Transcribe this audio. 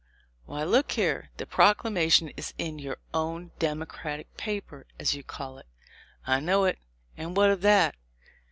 "Why, look here! the proclamation is in your own Democratic paper, as you call it." "I know it; and what of that?